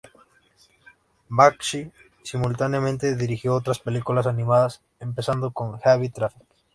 Bakshi simultáneamente dirigió otras películas animadas, empezando con "Heavy Traffic.